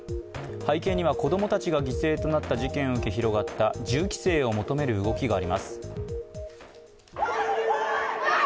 背景には、子供たちが犠牲となった事件を受け、広がった銃規制を求める動きがあります。